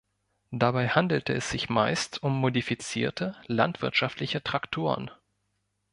Dabei handelte es sich meist um modifizierte landwirtschaftliche Traktoren.